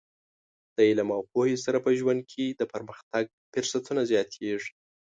د علم او پوهې سره په ژوند کې د پرمختګ فرصتونه زیاتېږي.